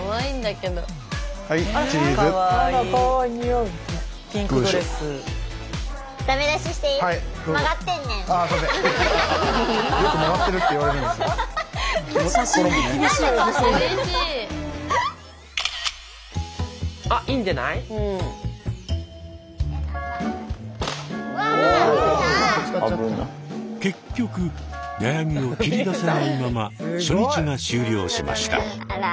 結局悩みを切り出せないまま初日が終了しました。